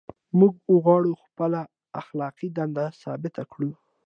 موږ غواړو خپله اخلاقي دنده ثابته کړو.